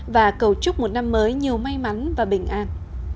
và cầu chúc một năm mới nhiều may mắn và bình an